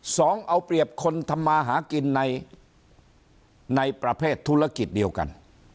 สองเอาเปรียบคนทำมาหากินในประเภทธุรกิจเดียวกัน